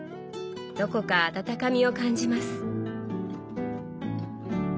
どこか温かみを感じます。